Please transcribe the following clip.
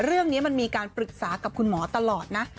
เรื่องนี้มันมีการปรึกษากับคุณหมอตลอดนะ